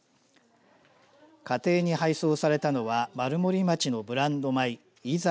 家庭に配送されたのは丸森町のブランド米いざ